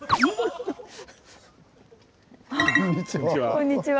こんにちは。